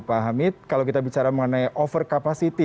pak hamid kalau kita bicara mengenai overcapacity